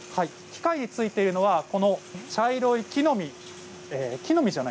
機械についているのは茶色い木の実。